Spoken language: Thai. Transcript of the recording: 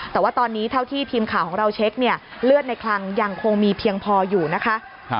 แต่ว่าตอนนี้เท่าที่ทีมข่าวของเราเช็คเนี่ยเลือดในคลังยังคงมีเพียงพออยู่นะคะ